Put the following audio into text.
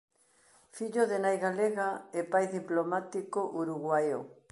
Fillo de nai galega e pai diplomático uruguaio.